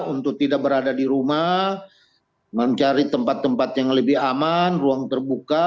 untuk tidak berada di rumah mencari tempat tempat yang lebih aman ruang terbuka